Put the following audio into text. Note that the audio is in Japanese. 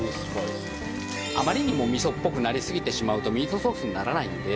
あまりにも味噌っぽくなりすぎてしまうとミートソースにならないので。